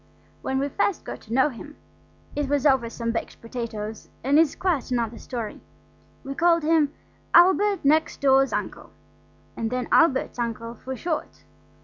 When we first got to know him (it was over some baked potatoes, and is quite another story) we called him Albert next door's Uncle, and then Albert's uncle for short.